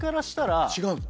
違うの？